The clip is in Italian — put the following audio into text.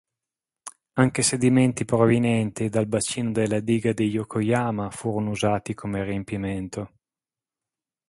Anche sedimenti provenienti dal bacino della diga di Yokoyama furono usati come riempimento.